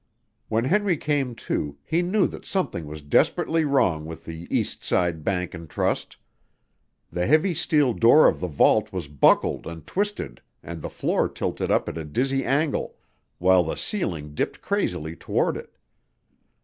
When Henry came to, he knew that something was desperately wrong with the Eastside Bank & Trust. The heavy steel door of the vault was buckled and twisted and the floor tilted up at a dizzy angle, while the ceiling dipped crazily toward it.